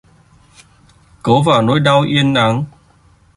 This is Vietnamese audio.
Cấu vào nỗi đau yên ắng